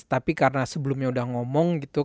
tapi karena sebelumnya udah ngomong gitu